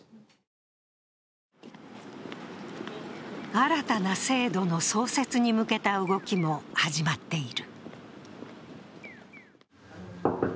新たな制度の創設に向けた動きも始まっている。